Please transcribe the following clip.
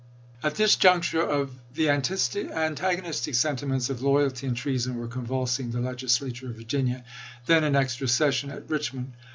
At this juncture the antagonistic sentiments of L' ^ 851' loyalty and treason were convulsing the Legisla IJSfomis? ture of Virginia, then in extra session at Richmond.